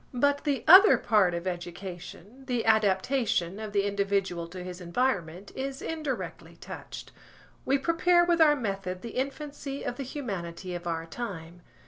But the other part of education, the adaptation of the individual to his environment, is indirectly touched. We prepare with our method the infancy of the humanity of our time.